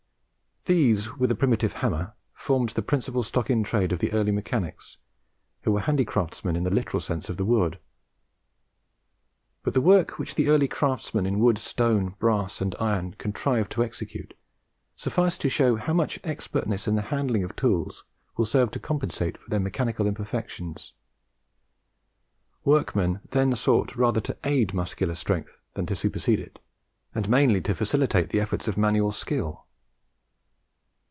These, with the primitive hammer, formed the principal stock in trade of the early mechanics, who were handicraftsmen in the literal sense of the word. But the work which the early craftsmen in wood, stone, brass, and iron, contrived to execute, sufficed to show how much expertness in the handling of tools will serve to compensate for their mechanical imperfections. Workmen then sought rather to aid muscular strength than to supersede it, and mainly to facilitate the efforts of manual skill.